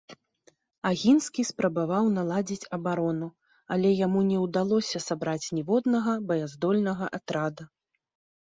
Агінскі спрабаваў наладзіць абарону, але яму не ўдалося сабраць ніводнага баяздольнага атрада.